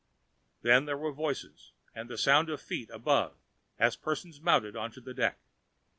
Then there were voices, and the sound of feet above as persons mounted on to the deck.